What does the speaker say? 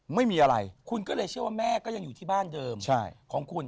ไม่มีอะไรคุณก็เลยเชื่อว่าแม่ก็ยังอยู่ที่บ้านเดิมของคุณ